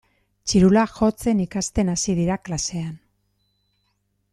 Txirula jotzen ikasten hasi dira klasean.